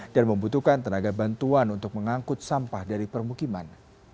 dan membutuhkan tenaga bantuan untuk mengangkut sampah dari permukiman